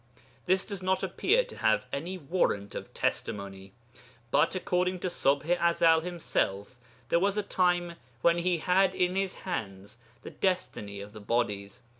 This does not appear to have any warrant of testimony. But, according to Ṣubḥ i Ezel himself, there was a time when he had in his hands the destiny of the bodies.